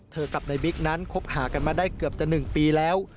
เธอกับนายบิ๊กนั้นคบหากันมาได้เกือบจะหนึ่งปีแล้ว